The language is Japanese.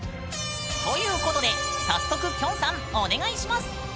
ということで早速きょんさんお願いします。